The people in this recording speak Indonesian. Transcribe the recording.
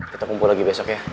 kita kumpul lagi besok ya